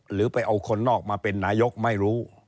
หรือไปเอาคนนอกมาเป็นนายกไม่รู้